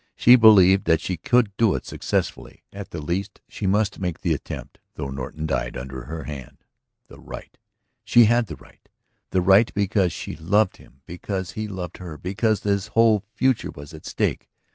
She believed that she could do it successfully; at the least she must make the attempt, though Norton died under her hand. The right? She had the right! The right because she loved him, because he loved her, because his whole future was at stake.